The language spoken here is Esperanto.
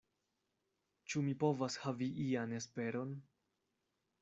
Ĉu mi povas havi ian esperon?